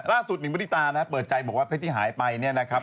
หนิงมณิตานะฮะเปิดใจบอกว่าเพชรที่หายไปเนี่ยนะครับ